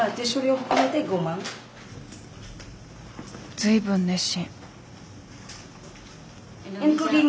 随分熱心。